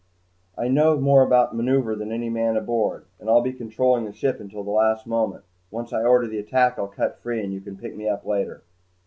"I know more about maneuver than any man aboard, and I'll be controlling the ship until the last moment. Once I order the attack I'll cut free, and you can pick me up later."